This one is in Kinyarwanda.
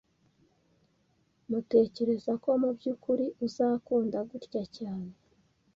Tmutekereza ko mubyukuri uzakunda gutya cyane